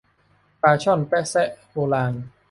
ปลาช่อนแป๊ะซะโบราณ